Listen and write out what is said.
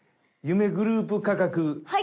夢グループ価格。